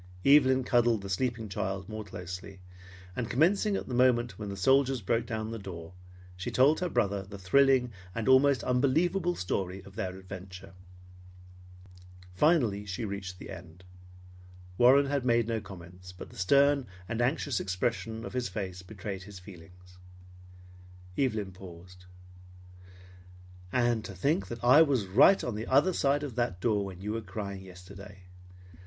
Evelyn cuddled the sleeping child more closely, and commencing at the moment when the soldiers broke down the door, she told her brother the thrilling and almost unbelievable story of their adventure. Finally she reached the end. Warren had made no comments, but the stern and anxious expression of his face betrayed his feelings. Evelyn paused. "And to think that I was right on the other side of that door when you were crying yesterday!